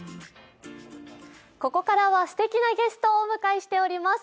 ここからは、すてきなゲストをお迎えしております。